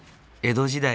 江戸時代